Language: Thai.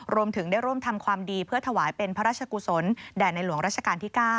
รวมถึงได้ร่วมทำความดีเพื่อถวายเป็นพระราชกุศลแด่ในหลวงราชการที่๙